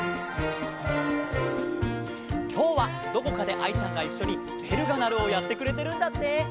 きょうはどこかでアイちゃんがいっしょに「べるがなる」をやってくれてるんだって。